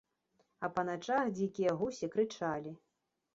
А па начах дзікія гусі крычалі.